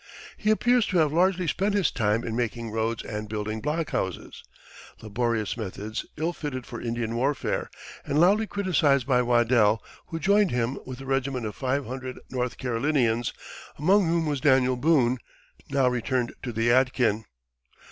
He appears to have largely spent his time in making roads and building blockhouses laborious methods ill fitted for Indian warfare, and loudly criticized by Waddell, who joined him with a regiment of five hundred North Carolinians, among whom was Daniel Boone, now returned to the Yadkin.